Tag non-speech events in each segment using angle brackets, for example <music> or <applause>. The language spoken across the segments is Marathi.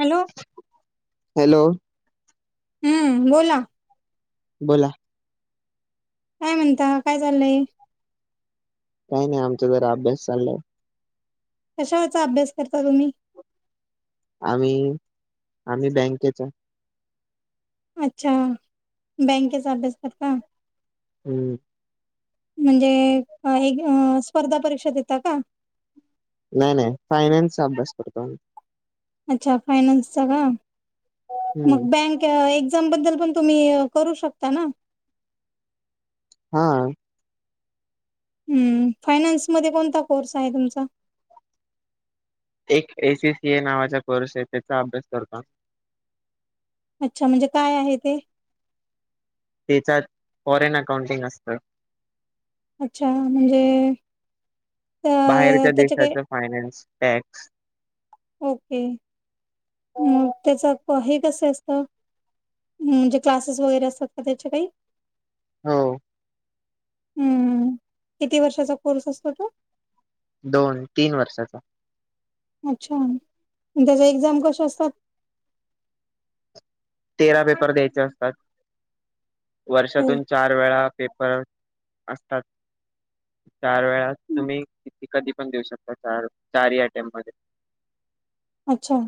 Hello hello. हम्म बोला. बोला. काय म्हणता काय चाललंय? काही नाही आमचा जरा अभ्यास चाललाय. कशावरचा अभ्यास करता तुम्ही? आम्ही, आम्ही बँकेचा. अच्छा बँकेचा अभ्यास करता. हम्म. म्हणजे हे घेवुन स्पर्धा परीक्षा देता का? नाही नाही फायनान्सचा अभ्यास करतो आम्ही. अच्छा फायनान्सचा का. मग हम्म बँक एक्झाम बद्दल पण तुम्ही करू शकता ना. हा. हम्म फायनान्स मध्ये कोणता कोर्स आहे तुमचा? एक एसीसी ए नावाचा कोर्स आहे त्याचा अभ्यास करता. अच्छा म्हणजे काय आहे ते? त्याच्यात फॉरेन अकाउंटिंग असतं. अच्छा म्हणजे अ बाहेरच्या त्याच्या काय देशाचं फायनान्स, टॅक्स. ओके म त्याच हे कस असत. म्हणजे क्लासेस वगैरे असतात का त्याच्या काही? हो. हम्म. किती वर्षाचा कोर्स असतो तो? दोन तीन वर्षाचा. अच्छा त्याच एक्झाम कस असतात. तेरा पेपर द्यायचे असतात. ते वर्षातून चार वेळा पेपर असतात. चार वेळा तुम्ही कधी पण देऊ शकता चार ही टेम मध्ये. अच्छा.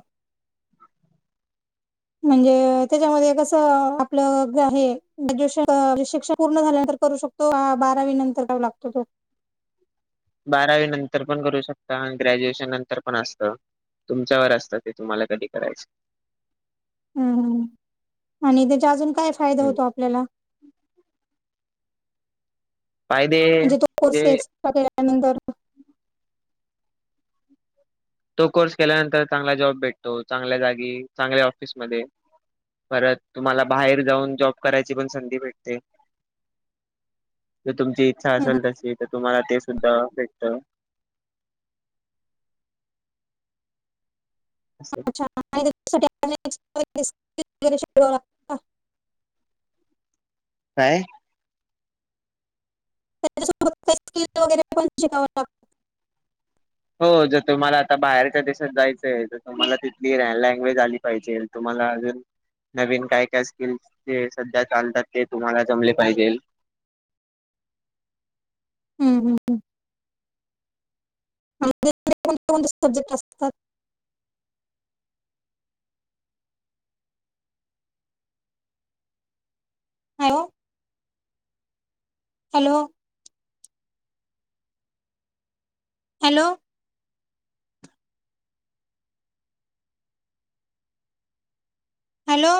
म्हणजे त्याच्यामध्ये कसं आपलं ज आहे ग्रॅज्युएशन शिक्षण पूर्ण झाल्यानंतर करू शकतो. तो बारावी नंतर जाऊ लागतो तो. बारावी नंतर पण करू शकता आणि ग्रॅज्युएशन नंतर पण असतं. तुमच्यावर असतं ते तुम्हाला कधी करायचं. हम्म ह आणि त्याचा अजून काय फायदा होतो आपल्याला? म्हणजे तो कोर्से एक्स्ट्रा केल्यानंतर? तो कोर्स केल्यानंतर चांगला जॉब भेटतो चांगल्या जागी चांगल्या ऑफिसमध्ये. परत तुम्हाला बाहेर जाऊन जॉब करायची पण संधी भेटते. जर तुमची इच्छा हं, हं. असेल तशी तर तुम्हाला ते सुद्धा भेटत. असं. अच्छा आणि त्या <inaudible> काय. त्याच्यासोबत काही स्किल वगैरे पण शिकावं लागतं. हो जर तुम्हाला आता बाहेरच्या देशात जायचंय तर तुम्हाला तिथली लँग्वेज आली पाहिजे तुम्हाला अजून नवीन काय काय स्किल्स जे सध्या चालतात ते तुम्हाला जमले पाहिजेल. हम्म हम्म हम्म कोणते कोणते सब्जेक्ट असतात? हॅलो. Hello hello hello